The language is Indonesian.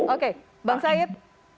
oke bang said